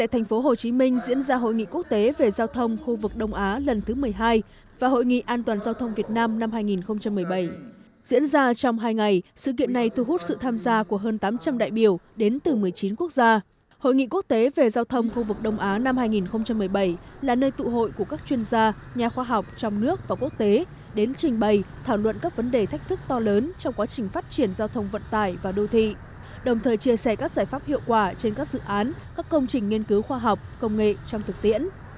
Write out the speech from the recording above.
hội nghị quốc tế về giao thông khu vực đông á năm hai nghìn một mươi bảy là nơi tụ hội của các chuyên gia nhà khoa học trong nước và quốc tế đến trình bày thảo luận các vấn đề thách thức to lớn trong quá trình phát triển giao thông vận tải và đô thị đồng thời chia sẻ các giải pháp hiệu quả trên các dự án các công trình nghiên cứu khoa học công nghệ trong thực tiễn